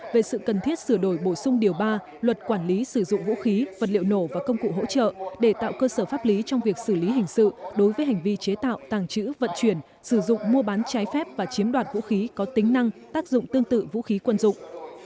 về sự cần thiết sửa đổi bổ sung điều ba luật quản lý sử dụng vũ khí vật liệu nổ và công cụ hỗ trợ để tạo cơ sở pháp lý trong việc xử lý hình sự đối với hành vi chế tạo tàng trữ vận chuyển sử dụng mua bán trái phép và chiếm đoạt vũ khí có tính năng tác dụng tương tự vũ khí quân dụng